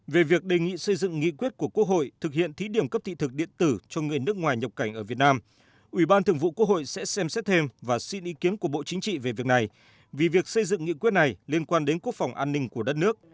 về việc đề nghị xây dựng nghị quyết của quốc hội thực hiện thí điểm cấp thị thực điện tử cho người nước ngoài nhập cảnh ở việt nam ủy ban thường vụ quốc hội sẽ xem xét thêm và xin ý kiến của bộ chính trị về việc này vì việc xây dựng nghị quyết này liên quan đến quốc phòng an ninh của đất nước